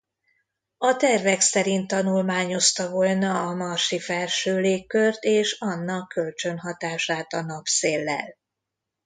A tervek szerint tanulmányozta volna a marsi felső légkört és annak kölcsönhatását a napszéllel.